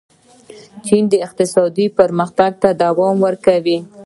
چین اقتصادي پرمختګ ته دوام ورکوي.